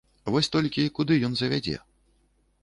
Вось толькі куды ён завядзе?